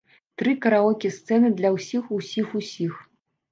Тры караоке-сцэны для ўсіх-усіх-усіх.